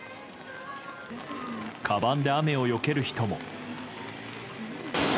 かばんで雨をよける人も。